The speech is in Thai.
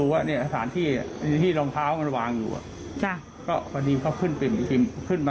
ก็ตอนนี้เค้าขึ้นมาครึ่งนึง